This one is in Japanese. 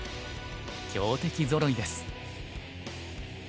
強敵ぞろいです。